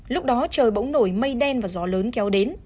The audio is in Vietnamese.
lúc đó trời bỗng nổi mây đen và gió lớn kéo đến